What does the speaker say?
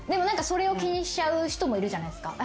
それを気にしちゃう人もいるじゃないですか。